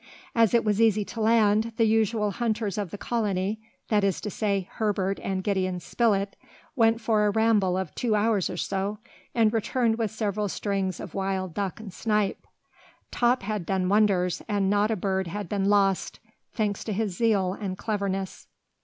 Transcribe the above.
As it was easy to land, the usual hunters of the colony, that is to say, Herbert and Gideon Spilett, went for a ramble of two hours or so, and returned with several strings of wild duck and snipe. Top had done wonders, and not a bird had been lost, thanks to his zeal and cleverness.